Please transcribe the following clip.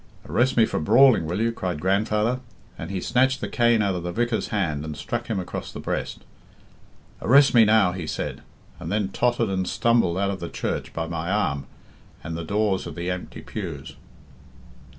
'Arrest me for brawling, will you?' cried grandfather, and he snatched the cane out of the vicar's hand and struck him across the breast. 'Arrest me now,' he said, and then tottered and stumbled out of the church by my arm and the doors of the empty pews."